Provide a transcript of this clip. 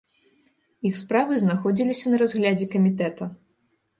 Іх справы знаходзіліся на разглядзе камітэта.